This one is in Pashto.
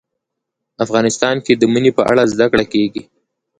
افغانستان کې د منی په اړه زده کړه کېږي.